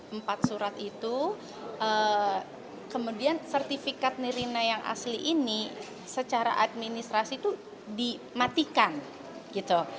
empat surat itu kemudian sertifikat nirina yang asli ini secara administrasi itu dimatikan gitu